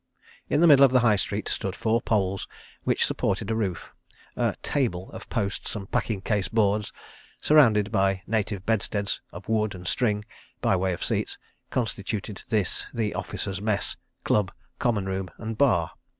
In the middle of the High Street stood four poles which supported a roof. A "table" of posts and packing case boards, surrounded by native bedsteads of wood and string—by way of seats—constituted this, the Officers' Mess, Club, Common Room and Bar.